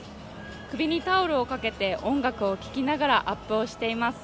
首にタオルを掛けて音楽を聴きながらアップをしています。